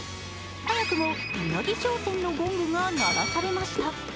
早くもうなぎ商戦のゴングが鳴らされました。